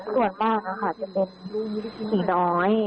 ส่วนบ้านนะคะจะเป็นผีน้อย